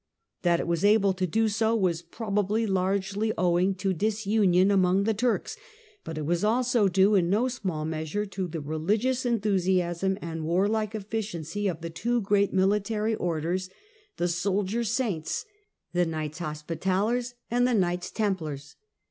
That it was able to do so was probably largely owing to disufiion among the Turks, but it was also due in no small measure to the religious enthusiasm and warlike efficiency of the two THE COMNENI AND THE TWO FHIST CRUSADES 147 great Military Orders, the soldier saints, the Knights The Hospitallers, and the Knights Templars.